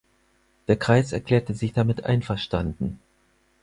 Der Kreis erklärte sich damit einverstanden.